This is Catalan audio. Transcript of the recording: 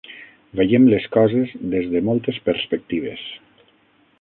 Veiem les coses des de moltes perspectives.